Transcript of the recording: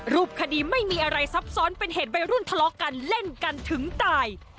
รูปคดีไม่มีอะไรซับซ้อนเป็นเหตุวัยรุ่นทะเลาะกันเล่นกันถึงตาย